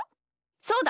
そうだ！